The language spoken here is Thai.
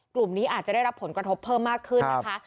กลุ่มนี้อาจจะได้รับผลกระทบเพิ่มมากขึ้นนะคะ